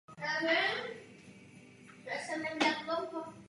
Můj druhý bod se týká kolektivního vymáhání.